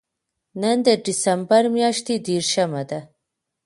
نن د دېسمبر میاشتې درېرشم دی